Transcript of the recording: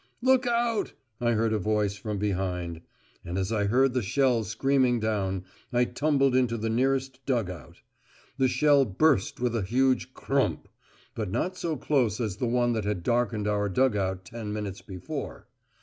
"Look out!" I heard a voice from behind. And as I heard the shell screaming down, I tumbled into the nearest dug out. The shell burst with a huge "crump," but not so close as the one that had darkened our dug out ten minutes before.